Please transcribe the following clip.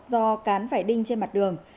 do cán phải đinh trên mặt đường